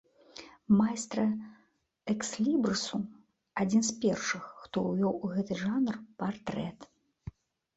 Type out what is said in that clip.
Майстра экслібрысу, адзін з першых, хто ўвёў у гэты жанр партрэт.